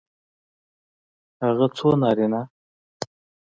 هغه څو نارینه